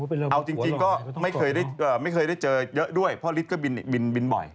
เอาจริงก็ไม่เคยได้เจอเยอะด้วยพ่อฤทธิก็บินบ่อย